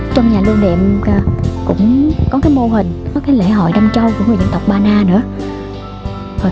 trong nhà lưu niệm cũng có mô hình lễ hội đâm trâu của người dân tộc ba na nữa